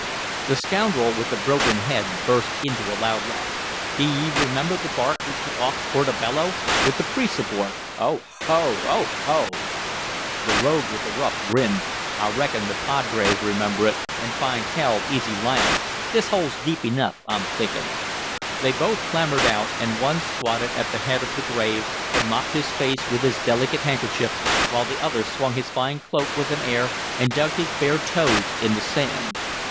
The scoundrel with the broken head burst into a loud laugh. "D' ye remember the bark we took off Porto Bello, with the priests aboard? Oho! Oho!" The rogue with the ruff grinned. "I reckon the padres remember it, and find hell easy lying. This hole's deep enough, I'm thinking." They both clambered out, and one squatted at the head of the grave and mopped his face with his delicate handkerchief, while the other swung his fine cloak with an air and dug his bare toes in the sand.